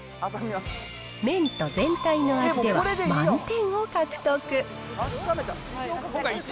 麺と全体の味では満点を獲得。